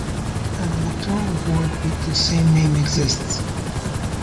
An electoral ward with the same name exists.